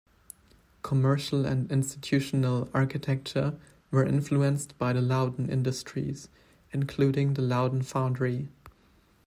Commercial and institutional architecture were influenced by the Louden Industries, including the Louden Foundry.